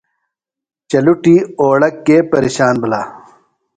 چلٹُی اوڑہ کےۡ پریشان بھِلہ؟